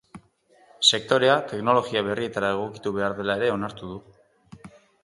Sektorea teknologia berrietara egokitu behar dela ere onartu du.